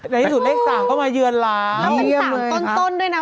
ในที่สุดเลข๓เข้ามาเยือนหลาเยี่ยมเลยครับแล้วเป็น๓ต้นด้วยนะ